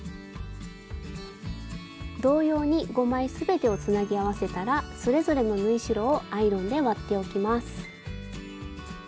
同様に５枚全てをつなぎ合わせたらそれぞれの縫い代をアイロンで割っておきます。